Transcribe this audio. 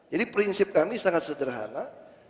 jadi prinsip kami sangat sederhana